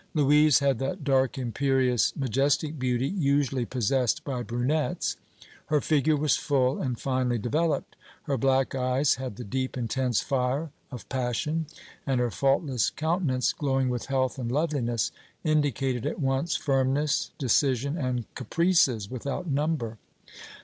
Louise had that dark, imperious, majestic beauty usually possessed by brunettes; her figure was full and finely developed, her black eyes had the deep, intense fire of passion, and her faultless countenance, glowing with health and loveliness, indicated at once firmness, decision and caprices without number.